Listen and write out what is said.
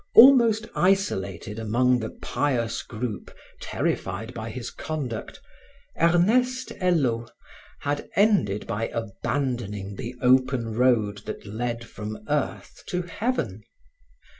Almost isolated among the pious group terrified by his conduct, Ernest Hello had ended by abandoning the open road that led from earth to heaven.